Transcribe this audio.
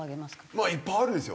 まあいっぱいあるんですよ。